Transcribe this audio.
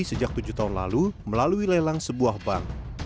sejak tujuh tahun lalu melalui lelang sebuah bank